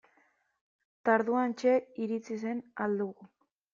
Eta orduantxe iritsi zen Ahal Dugu.